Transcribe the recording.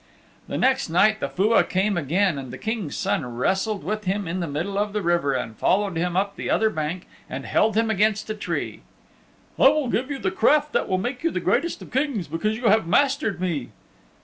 The next night the Fua came again, and the King's Son wrestled with him in the middle of the river and followed him up the other bank, and held him against a tree. "I will give you the craft that will make you the greatest of Kings, because you have mastered me."